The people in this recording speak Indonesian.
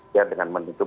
dia dengan menutup